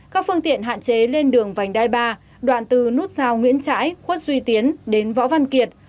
các phương tiện hạn chế lên đường vành đai ba đoạn từ nút sao nguyễn trãi khuất duy tiến đến võ văn kiệt